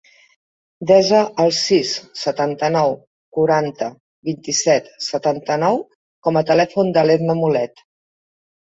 Desa el sis, setanta-nou, quaranta, vint-i-set, setanta-nou com a telèfon de l'Edna Mulet.